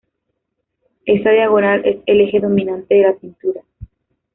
Esa diagonal es el eje dominante de la pintura.